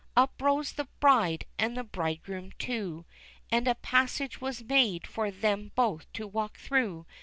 Up rose the bride, and the bridegroom too, And a passage was made for them both to walk through!